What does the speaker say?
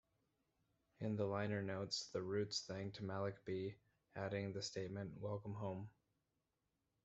In the liner notes, The Roots thanked Malik B, adding the statement: "Welcome Home".